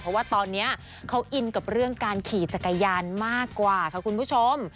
เพราะว่าตอนนี้เขาอินกับเรื่องการขี่จักรยานมากกว่าค่ะคุณผู้ชม